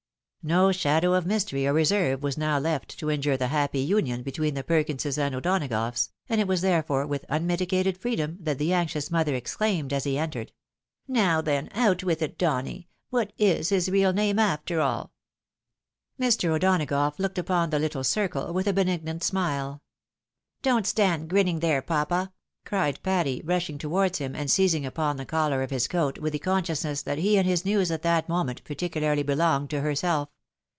No shadow of mystery or reserve was now left to injure the happy union between the Perkinses and O'Donagoughs, and it was therefore with unmitigated freedom that the anxious mother exclaimed, as he entered, "Now then, out with it, Donny ! what is his real name, after aU ?" Mr. O'Donagough looked upon the little circle with a benignant smile. " Don't stand grinning there, papa !" cried Patty, rushing towards him, and seizing upon the collar of his coat, with the consciousness that he and his news at that moment particularly belonged to herself.